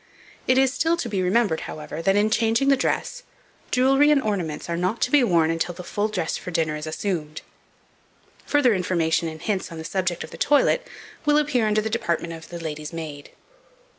It is still to be remembered, however, that, in changing the dress, jewellery and ornaments are not to be worn until the full dress for dinner is assumed. Further information and hints on the subject of the toilet will appear under the department of the "LADY'S MAID."